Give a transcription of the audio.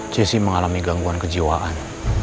jessy mengalami gangguan kejiwaan